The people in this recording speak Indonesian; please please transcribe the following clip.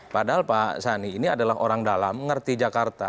padahal pak sani ini adalah orang dalam mengerti jakarta